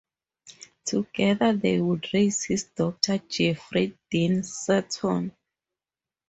Together they would raise his daughter Jeffrey Dean Sutton.